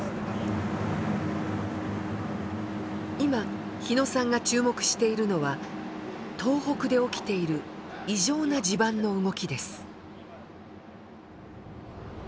今日野さんが注目しているのは東北で起きている異常な地盤の動きです。